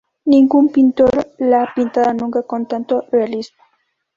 Ningún pintor la ha pintado nunca con tanto realismo.